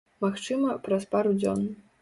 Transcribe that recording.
Магчыма, праз пару дзён.